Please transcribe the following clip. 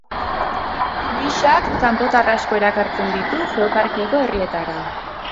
Flyschak kanpotar asko erakartzen ditu Geoparkeko herrietara.